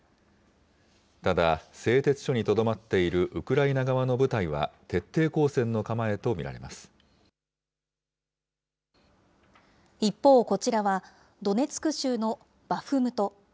ただ、製鉄所にとどまっているウクライナ側の部隊は徹底抗戦の構えと見一方、こちらはドネツク州のバフムト。